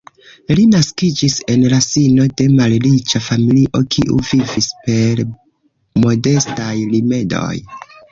Li naskiĝis en la sino de malriĉa familio kiu vivis per modestaj rimedoj.